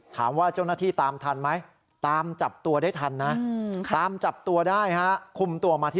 ถามว่าเจ้าหน้าที่ตามทันไหม